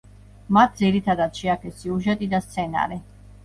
მათ ძირითადად შეაქეს სიუჟეტი და სცენარი.